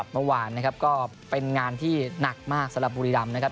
เมื่อวานนะครับก็เป็นงานที่หนักมากสำหรับบุรีรำนะครับ